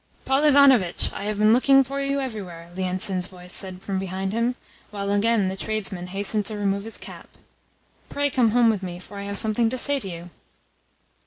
"Paul Ivanovitch, I have been looking for you everywhere," Lienitsin's voice said from behind him, while again the tradesman hastened to remove his cap. "Pray come home with me, for I have something to say to you."